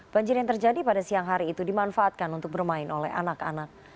banjir yang terjadi pada siang hari itu dimanfaatkan untuk bermain oleh anak anak